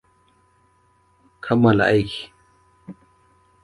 Kammala aiki.